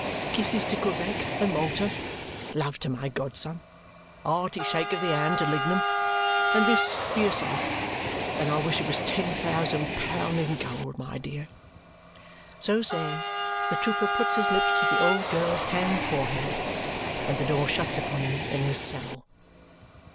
Kisses to Quebec and Malta, love to my godson, a hearty shake of the hand to Lignum, and this for yourself, and I wish it was ten thousand pound in gold, my dear!" So saying, the trooper puts his lips to the old girl's tanned forehead, and the door shuts upon him in his cell.